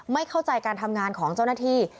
ไม่เข้าใจการทำงานของเจ้าหน้าที่